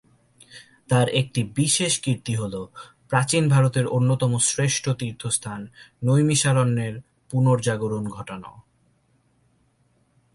তাঁর একটি বিশেষ কীর্তি হলো প্রাচীন ভারতের অন্যতম শ্রেষ্ঠ তীর্থস্থান নৈমিষারণ্যের পুনর্জাগরণ ঘটানো।